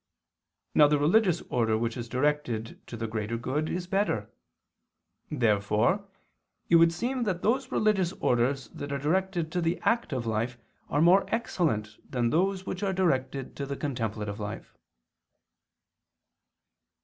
Now the religious order which is directed to the greater good is better. Therefore it would seem that those religious orders that are directed to the active life are more excellent than those which are directed to the contemplative life.